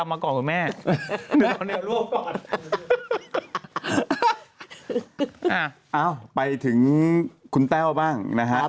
ไปถึงคุณแต้วบ้างนะครับ